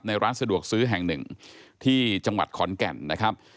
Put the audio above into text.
ร้านสะดวกซื้อแห่งหนึ่งที่จังหวัดขอนแก่นนะครับ